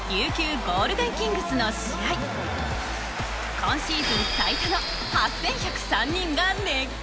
今シーズン最多の８１０３人が熱狂。